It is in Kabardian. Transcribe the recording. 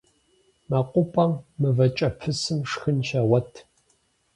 МэкъупӀэм мывэкӀэпысым шхын щегъуэт.